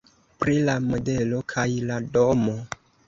Pri la modelo kaj la domo.